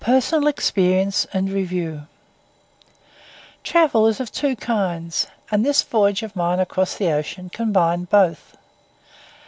PERSONAL EXPERIENCE AND REVIEW Travel is of two kinds; and this voyage of mine across the ocean combined both.